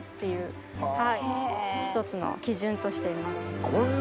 一つの基準としています。